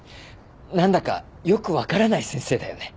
何だかよく分からない先生だよね。